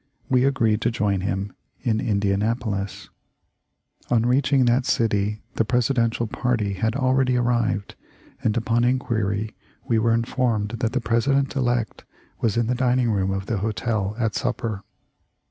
W T e agreed to join him in Indianapolis. On reach 306 TEE L1FE 0F LINCOLN. ing that city the Presidential party had already arrived, and upon inquiry we were informed that the President elect was in the dining room of the hotel, at supper.